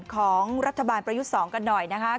ของรัฐบาลประยุทธ์๒กันหน่อยนะคะ